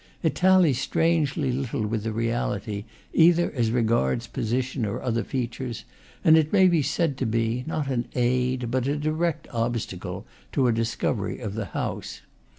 It tallies strangely little with the reality, either as re gards position or other features; and it may be said to be, not an aid, but a direct obstacle, to a discovery of the house.